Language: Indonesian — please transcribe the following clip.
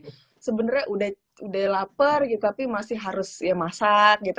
jadi sebenernya udah lapar gitu tapi masih harus ya masak gitu